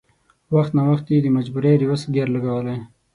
وخت ناوخت یې د مجبورۍ رېورس ګیر لېدلی.